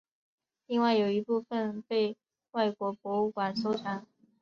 另外有一部份被外国博物馆收藏。